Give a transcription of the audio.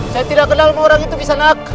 saya tidak kenal orang itu kisanak